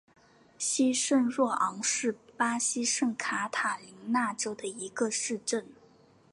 西圣若昂是巴西圣卡塔琳娜州的一个市镇。